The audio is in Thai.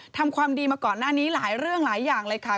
ทำความดีมาก่อนหน้านี้หลายเรื่องหลายอย่างเลยค่ะ